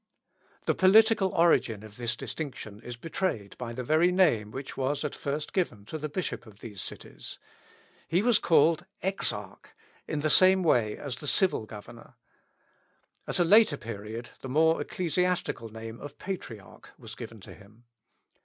The political origin of this distinction is betrayed by the very name which was at first given to the bishop of these cities. He was called Exarch, in the same way as the civil governor. At a later period, the more ecclesiastical name of Patriarch was given to him.